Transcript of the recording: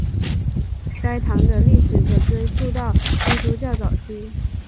该堂的历史可追溯到基督教早期。